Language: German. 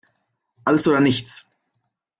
Alles oder nichts!